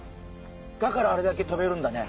だからあれだけ飛べるんだね。